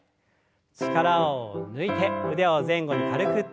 力を抜いて腕を前後に軽く振って。